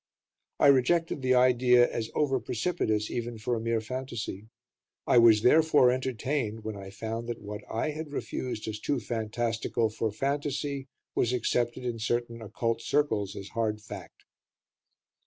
I rejected the idea as over precipitous even for a mere fantasy. I was therefore entertained when I found that what I had refused as too fantastical for fantasy was accepted in certain occult circles as hard fact.